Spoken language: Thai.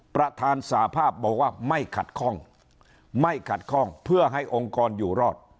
ประธานสาภาพบอกว่าไม่ขัดข้องไม่ขัดข้องเพื่อให้องค์กรอยู่รอด